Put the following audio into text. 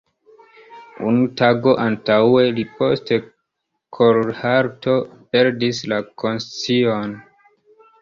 Unu tagon antaŭe li post kor-halto perdis la konscion.